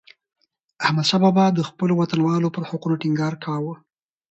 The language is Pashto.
احمدشاه بابا د خپلو وطنوالو پر حقونو ټينګار کاوه.